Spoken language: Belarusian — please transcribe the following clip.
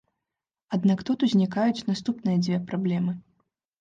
Аднак тут узнікаюць наступныя дзве праблемы.